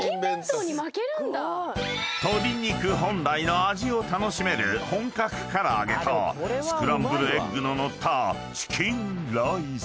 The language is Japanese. ［鶏肉本来の味を楽しめる本格唐揚げとスクランブルエッグの載ったチキンライス］